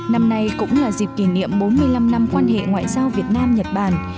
năm nay cũng là dịp kỷ niệm bốn mươi năm năm quan hệ ngoại giao việt nam nhật bản